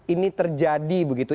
ini terjadi begitu